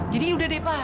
jadi ya udah deh pak